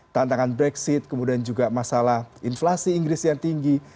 tantangan brexit kemudian juga masalah inflasi inggris yang tinggi